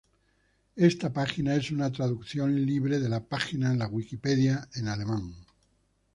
Esta página es una traducción libre de la página en la Wikipedia en alemán.